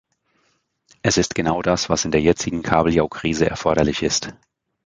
Es ist genau das, was in der jetzigen Kabeljaukrise erforderlich ist.